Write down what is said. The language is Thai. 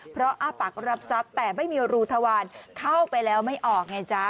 เพราะอ้าปากรับทรัพย์แต่ไม่มีรูทวารเข้าไปแล้วไม่ออกไงจ๊ะ